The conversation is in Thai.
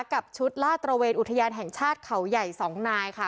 กับชุดลาดตระเวนอุทยานแห่งชาติเขาใหญ่๒นายค่ะ